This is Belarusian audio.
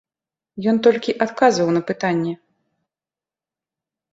Ён толькі адказваў на пытанні.